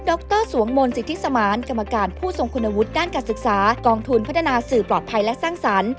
รสวงมนต์สิทธิสมานกรรมการผู้ทรงคุณวุฒิด้านการศึกษากองทุนพัฒนาสื่อปลอดภัยและสร้างสรรค์